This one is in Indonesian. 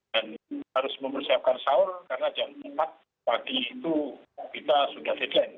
dan harus mempersiapkan sahur karena jam empat pagi itu kita sudah sedang